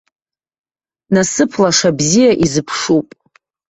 Насыԥ лаша бзиа изыԥшуп.